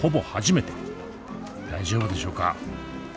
大丈夫でしょうか？